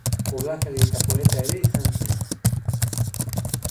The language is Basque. Koblakari eta poeta ere izan zen.